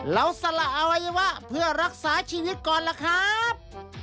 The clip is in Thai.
สละอวัยวะเพื่อรักษาชีวิตก่อนล่ะครับ